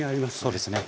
そうですね。